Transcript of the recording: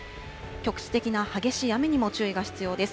局地的な激しい雨にも注意が必要です。